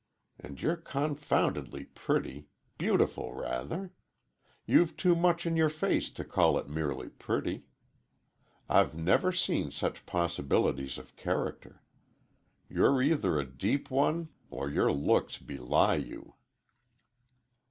And you're confoundedly pretty—beautiful, rather. You've too much in your face to call it merely pretty. I've never seen such possibilities of character. You're either a deep one or your looks belie you."